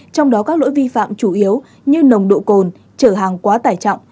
trong đó các lỗi vi phạm chủ yếu như nồng độ cồn trở hàng quá tải trọng